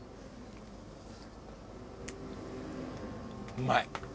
うまい。